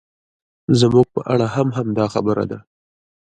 زموږ په اړه هم همدا خبره ده.